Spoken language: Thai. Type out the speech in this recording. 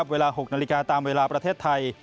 เวลา๖นาฬิกาตามเวลาประเทศไทย